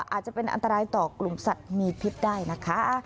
อาจจะเป็นอันตรายต่อกลุ่มสัตว์มีพิษได้นะคะ